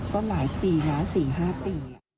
ก็หลายปีหลาย๔๕ปี